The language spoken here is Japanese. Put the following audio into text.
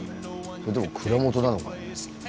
それとも蔵元なのかな。